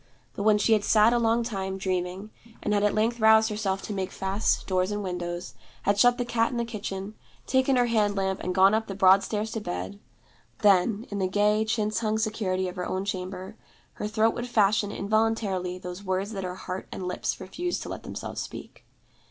But when she had sat a long time, dreaming, and had at length roused herself to make fast doors and windows, had shut the cat in the kitchen, taken her hand lamp and gone up the broad stairs to bed then, in the gay chintz hung security of her own chamber, her throat would fashion involuntarily those words that her heart and lips refused to let themselves speak.